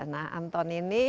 nah anton ini